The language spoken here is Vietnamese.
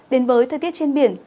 đến với thời tiết trên biển